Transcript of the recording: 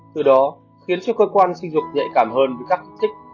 từ đó khiến cho cơ quan sinh dục nhạy cảm hơn với các kích thích